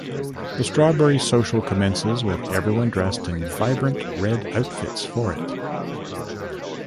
The Strawberry Social commences with everyone dressed in vibrant red outfits for it.